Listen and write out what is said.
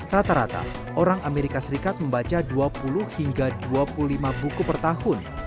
rata rata orang amerika serikat membaca dua puluh hingga dua puluh lima buku per tahun